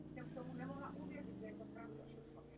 Hlavním využitím je trénink kosmonautů nebo vědecký výzkum.